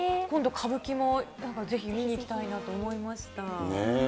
今度、歌舞伎もだからぜひ見にいきたいなと思いました。